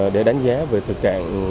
để đánh giá về thực trạng